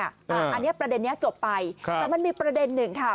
อันนี้ประเด็นนี้จบไปแต่มันมีประเด็นหนึ่งค่ะ